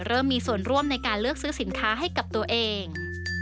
เริ่มมีส่วนร่วมในการเลือกซื้อสินค้าให้กับตัวเอง